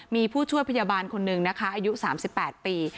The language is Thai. มีผู้ช่วยพยาบาลคนหนึ่งนะคะอายุ๓๘ปี